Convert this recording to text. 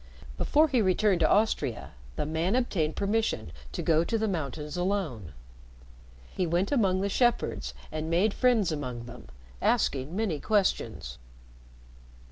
Before he returned to Austria, the man obtained permission to go to the mountains alone. He went among the shepherds and made friends among them, asking many questions.